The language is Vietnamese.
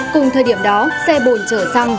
cùng thời điểm đó xe bồn chở xăng